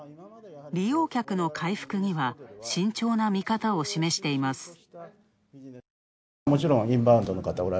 利用客の回復には慎重な見方を示しています。